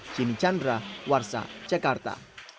cimi chandra warsa jakarta